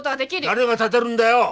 誰が立でるんだよ！